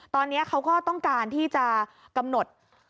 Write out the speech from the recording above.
ตอนนี้เขาก็ต้องการที่จะกำหนด